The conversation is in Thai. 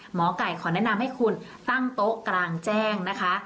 หมอไก่ขอแนะนำให้คุณตั้งโต๊ะกลางแจ้งนะคะ